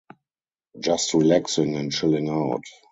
Just relaxing and chilling out.